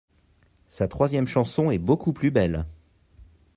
Sa troisième chanson est beaucoup plus belle.